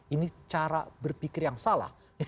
ini cara berpikir yang salah